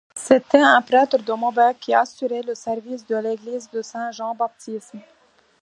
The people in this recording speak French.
C'était un prêtre de Maubec qui assurait le service de l'église de Saint-Jean-Baptiste.